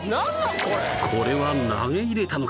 これこれは投げ入れたのか？